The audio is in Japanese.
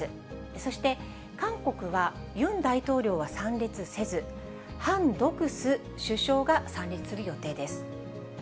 そして韓国はユン大統領は参列せず、ハン・ドクス首相が参列する予定です。